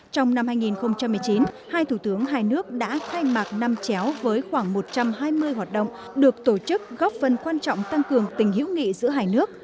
trong năm hai nghìn một mươi chín hai thủ tướng hai nước đã khai mạc năm chéo với khoảng một trăm hai mươi hoạt động được tổ chức góp phần quan trọng tăng cường tình hữu nghị giữa hai nước